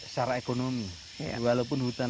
secara ekonomi walaupun hutan